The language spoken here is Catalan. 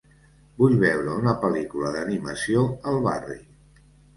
Vull veure una pel·lícula d'animació al barri